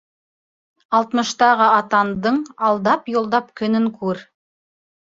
Алтмыштағы атандың алдап-йолдап көнөн күр.